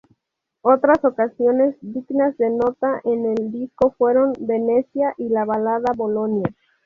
Otras canciones dignas de nota en el disco fueron "Venecia" y la balada "Bolonia.